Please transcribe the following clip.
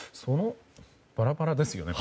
バラバラですよね。